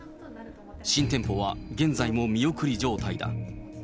新店舗は現在も見送り状態だ。